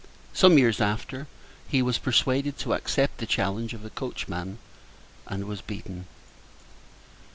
Some years after, he was persuaded to accept the challenge of a coachman, and was beaten.